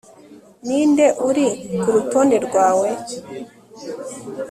Ninde uri kurutonde rwawe